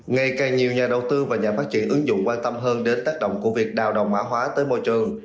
ngày càng nhiều nhà đầu tư và nhà phát triển ứng dụng quan tâm hơn đến tác động của việc đào đồng mã hóa tới môi trường